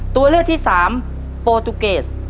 ตัวเลือกที่สามโปรตูเกส